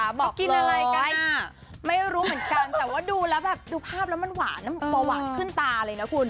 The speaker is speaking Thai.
เขากินอะไรกันไม่รู้เหมือนกันแต่ว่าดูแล้วแบบดูภาพแล้วมันหวานเบาหวานขึ้นตาเลยนะคุณ